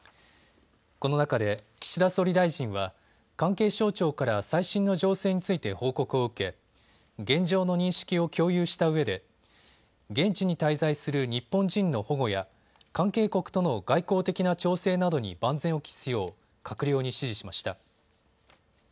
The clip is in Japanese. この中で岸田総理大臣は関係省庁から最新の情勢について報告を受け現状の認識を共有したうえで現地に滞在する日本人の保護や関係国との外交的な調整などに万全を期すよう閣僚に指示しました。